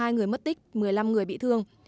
hai người mất tích một mươi năm người bị thương